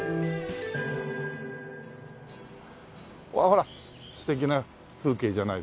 ほら素敵な風景じゃないですか。